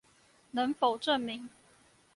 能否證明